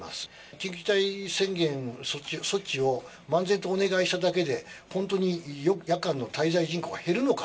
緊急事態宣言、措置を漫然とお願いしただけで、本当に夜間の滞在人口が減るのか。